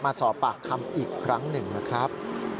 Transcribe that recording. มาสอบปากคำอีกครั้งหนึ่งนะครับ